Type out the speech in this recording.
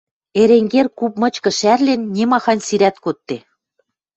Эренгер куп мычкы шӓрлен, нимахань сирӓт кодде.